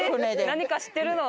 何か知ってるの？